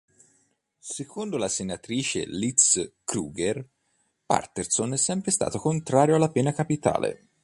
Secondo la senatrice Liz Krueger, Paterson è sempre stato contrario alla pena capitale.